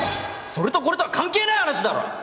それとこれとは関係ない話だろ！